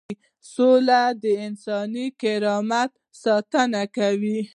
سوله د انساني کرامت ساتنه کوي.